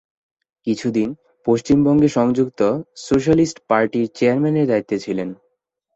কিছুদিন পশ্চিমবঙ্গে সংযুক্ত সোশ্যালিস্ট পার্টির চেয়ারম্যানের দায়িত্বে ছিলেন।